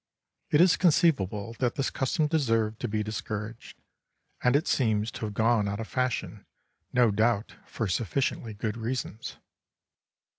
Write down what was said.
It is conceivable that this custom deserved to be discouraged, and it seems to have gone out of fashion, no doubt for sufficiently good reasons.